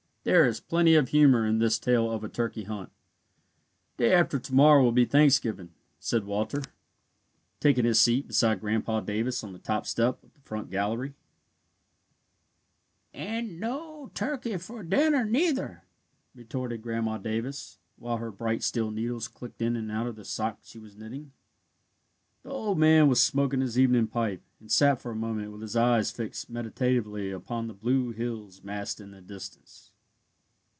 There is plenty of humour in this tale of a turkey hunt. "Day after to morrow will be Thanksgiving," said Walter, taking his seat beside Grandpa Davis on the top step of the front gallery. [Footnote 25: From Lippincott's Monthly Magazine, December, 1896.] "And no turkey for dinner, neither," retorted Grandma Davis, while her bright steel needles clicked in and out of the sock she was knitting. The old man was smoking his evening pipe, and sat for a moment with his eyes fixed meditatively upon the blue hills massed in the distance.